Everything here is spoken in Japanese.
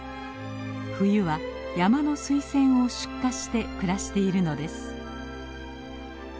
冬は山のスイセンを出荷して暮らしているのです。